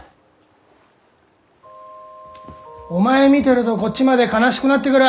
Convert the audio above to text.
お前見てるとこっちまで悲しくなってくる！